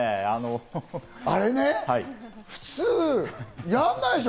あれね、普通やんないでしょ。